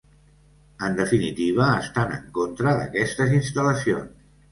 En definitiva: estan en contra d’aquestes instal·lacions.